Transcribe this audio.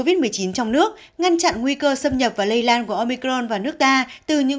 covid một mươi chín trong nước ngăn chặn nguy cơ xâm nhập và lây lan của omicron vào nước ta từ những